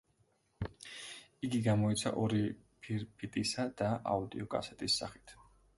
იგი გამოიცა ორი ფირფიტისა და აუდიოკასეტის სახით.